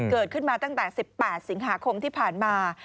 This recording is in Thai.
เกิดขึ้นมาตั้งแต่๑๘สิงหาคมที่ผ่านมา